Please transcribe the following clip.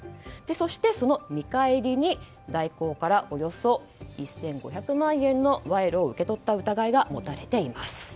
そして、その見返りに大広からおよそ１５００万円の賄賂を受け取った疑いが持たれています。